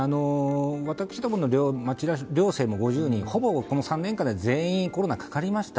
私どもの両生も５０人ほぼこの３年間で全員コロナにかかりました。